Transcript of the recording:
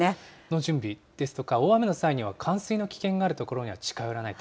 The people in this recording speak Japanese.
の準備ですとか、大雨の際には冠水の危険がある所には近寄らない。